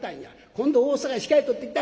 今度大阪へ仕替え取ってきた」。